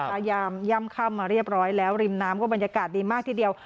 พยายามย่ำค่ำมาเรียบร้อยแล้วริมน้ำก็บรรยากาศดีมากทีเดียว